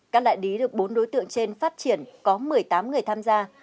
các đại lý được bốn đối tượng trên phát triển có một mươi tám người tham gia